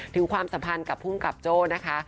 ความสัมพันธ์กับภูมิกับโจ้นะคะ